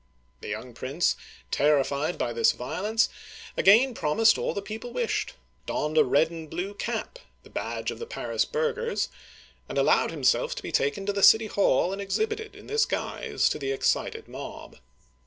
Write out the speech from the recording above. The young prince, terrified by this violence, again promised all the people wished, donned a red and blue cap, — the badge of the Paris burghers, — and allowed himself to be taken to the city hall and exhibited in this guise to the excited mob.